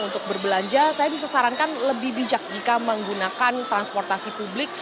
untuk berbelanja saya bisa sarankan lebih bijak jika menggunakan transportasi publik